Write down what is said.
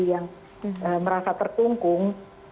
yang merasa tertungkung